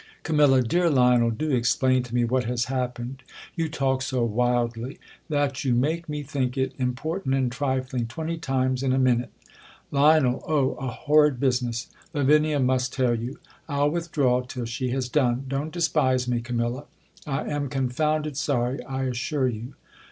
Cam.^' Dear Lionel, do explain to me what has hap pened. ' You talk so wildly, that you make me think it important and trifling twenty times in a minute. Lion, O, a hon id business ! Lavinia must tell you. V\\ withdraw till she has done. Don't despise me, Camilla. 1 am confounded sorry, I assure you.